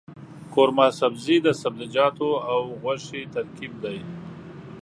قورمه سبزي د سبزيجاتو او غوښې ترکیب دی.